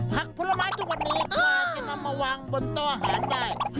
ผักพุนมาสทุกวันนี้คือต้องมาวางบนข้างได้